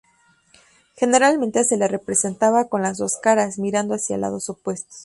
Generalmente se le representaba con las dos caras, mirando hacia lados opuestos.